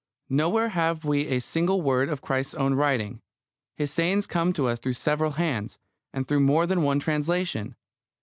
Nowhere have we a single word of Christ's own writing. His sayings come to us through several hands, and through more than one translation.